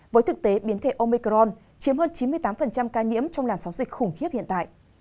với thực tế biến thể omicron chiếm hơn chín mươi tám ca nhiễm trong làn sóng dịch khủng khiếp hiện tại